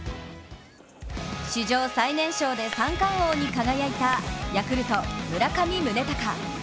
史上最年少で三冠王に輝いたヤクルト・村上宗隆。